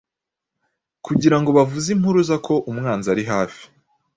kugira ngo bavuze impuruza ko umwanzi ari hafi.